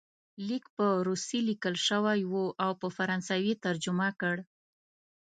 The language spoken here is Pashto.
لیک په روسي لیکل شوی وو او په فرانسوي یې ترجمه کړ.